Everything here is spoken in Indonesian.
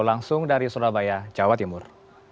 langsung dari surabaya jawa timur